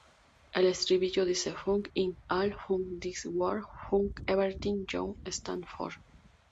El estribillo dice: "Fuck it all, fuck this world, fuck everything you stand for.